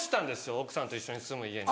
奥さんと一緒に住む家に。